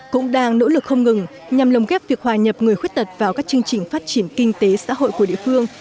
cũng đang nỗ lực không ngừng nhằm lồng ghép việc hòa nhập người khuyết tật vào các chương trình phát triển kinh tế xã hội của địa phương